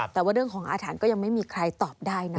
แต่ว่าเรื่องของอาถรรพ์ก็ยังไม่มีใครตอบได้นะคะ